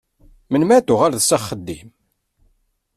Melmi ara d-tuɣaleḍ s axeddim?